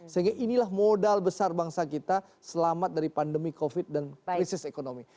sehingga inilah modal besar bangsa kita selamat dari pandemi covid dan krisis ekonomi